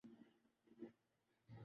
ستم سکھلائے گا رسم وفا ایسے نہیں ہوتا